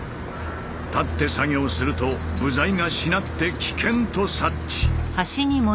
立って作業すると部材がしなって危険と察知。